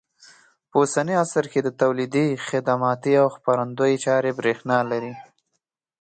په اوسني عصر کې د تولیدي، خدماتي او خپرندوی چارې برېښنا لري.